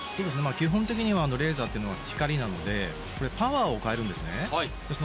基本的にはレーザーっていうのは光なのでこれパワーを変えるんですね